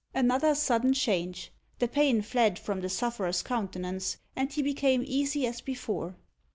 Another sudden change. The pain fled from the sufferer's countenance, and he became easy as before.